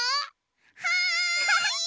はい！